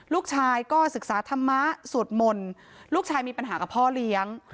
ลูกชายก็ศึกษาธรรมะสวดมนต์ลูกชายมีปัญหากับพ่อเลี้ยง